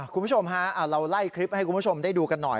คุณผู้ชมฮะเราไล่คลิปให้คุณผู้ชมได้ดูกันหน่อย